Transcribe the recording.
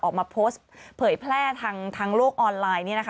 ออกมาโพสต์เผยแพร่ทางโลกออนไลน์